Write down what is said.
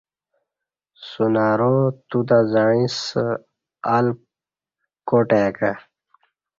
سن ارا توتہ زعیݩسہ ال کاٹ آی کہ